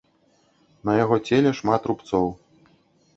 На яго целе шмат рубцоў.